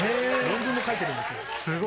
論文も書いてるんです。